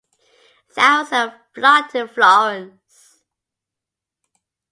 Thousands flocked to Florence.